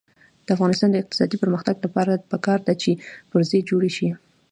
د افغانستان د اقتصادي پرمختګ لپاره پکار ده چې پرزې جوړې شي.